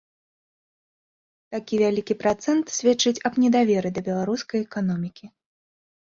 Такі вялікі працэнт сведчыць аб недаверы да беларускай эканомікі.